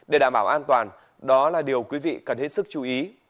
để đảm bảo an toàn đó là điều quý vị cần hết sức chú ý